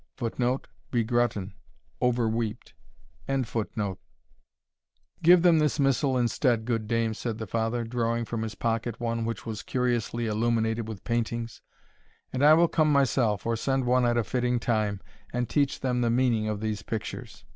[Footnote: Begrutten over weeped] "Give them this missal instead, good dame," said the father, drawing from his pocket one which was curiously illuminated with paintings, "and I will come myself, or send one at a fitting time, and teach them the meaning of these pictures."